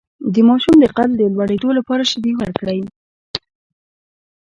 د ماشوم د قد د لوړیدو لپاره شیدې ورکړئ